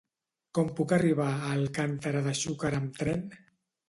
Com puc arribar a Alcàntera de Xúquer amb tren?